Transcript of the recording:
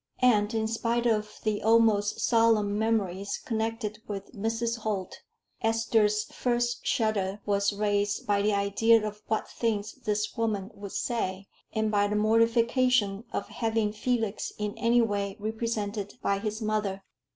And in spite of the almost solemn memories connected with Mrs. Holt, Esther's first shudder was raised by the idea of what things this woman would say, and by the mortification of having Felix in any way represented by his mother.